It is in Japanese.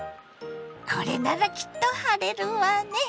これならきっと晴れるわね。